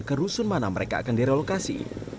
ke rusun mana mereka akan direlokasi